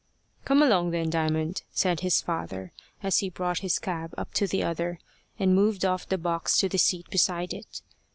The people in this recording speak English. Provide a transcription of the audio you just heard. "Come along then, Diamond," said his father, as he brought his cab up to the other, and moved off the box to the seat beside it.